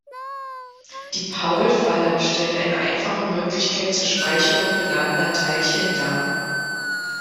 Die Paul-Falle stellt eine einfache Möglichkeit zur Speicherung geladener Teilchen dar.